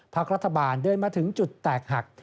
พักรัฐบาลเดินมาถึงจุดแตกหัก